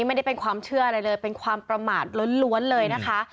ไม่ได้เป็นความเชื่ออะไรเลยเป็นความประมาทล้วนเลยนะคะ